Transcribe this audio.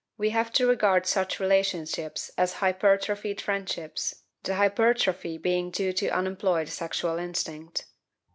We have to regard such relationships as hypertrophied friendships, the hypertrophy being due to unemployed sexual instinct.